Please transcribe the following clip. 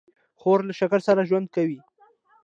خور له شکر سره ژوند کوي.